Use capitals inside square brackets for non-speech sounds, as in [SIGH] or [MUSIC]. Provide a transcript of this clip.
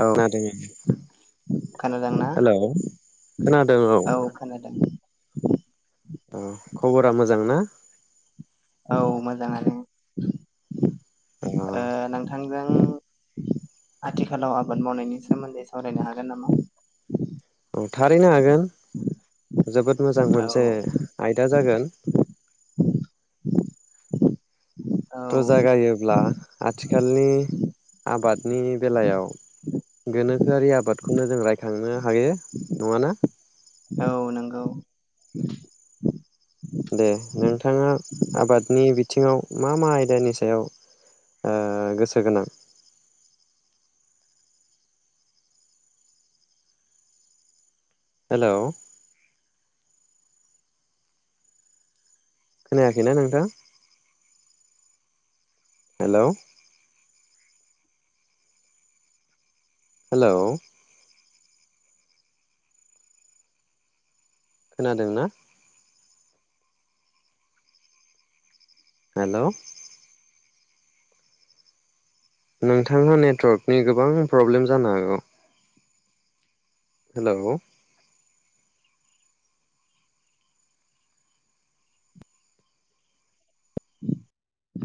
औ [UNINTELLIGIBLE] [INAUDIBLE] खोनादों ना? हेलौ औ खोनादों। औ खबरा मोजांना? औ मोजाङानो। अ ओ नोंथां जों आथिखालाव आबाद मावनायनि सोमोन्दै सावरायनो हागोन नामा? औ थारैनो हागोन। जोबोद मोजां औ मोनसे आयदा जागोन। [INAUDIBLE] थ' औ जागायोब्ला आथि खालनि आबाद नि बेलायाव गोनोखोआरि आबादखौनो जों रायखांनो हायो नङाना। औ नंगौ। दे नोंथाङा आबादनि बिथिङाव मा मा आयदानि सायाव गोसो गोनां? हेलौ? खोनायाखैना नोंथां? हेलौ हेलौ खोनादोंना? हेलौ नोंथांमोन नेर्टकनि गोबां प्रब्लेम जानो हागौ। हेलौ